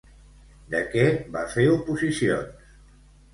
De què va fer oposicions?